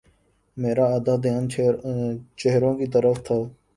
میرا آدھا دھیان چہروں کی طرف تھا۔